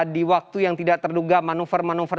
di waktu yang tidak terduga manuver manuver